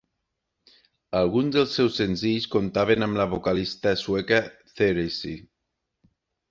Alguns dels seus senzills comptaven amb la vocalista sueca Therese.